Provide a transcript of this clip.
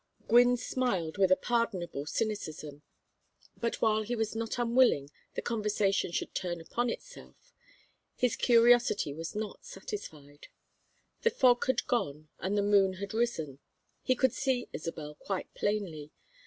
Gwynne smiled with a pardonable cynicism; but while he was not unwilling the conversation should turn upon himself, his curiosity was not satisfied. The fog had gone and the moon had risen. He could see Isabel quite plainly.